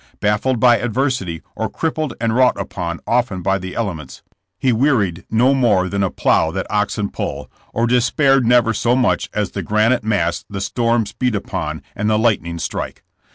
Baffled by ad versity, or crippled and wrought upon often by the elements, he wearied no more than a plough that 60 JESSlt JAMEd. oxen pull, or despaired never so much as the granite mass the storms beat upon and the lightnings strike.